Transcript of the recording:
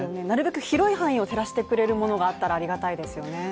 なるべく広い範囲を照らしてくれるものがあったら、ありがたいですよね。